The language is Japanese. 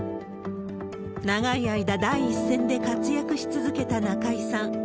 長い間第一線で活躍し続けた中居さん。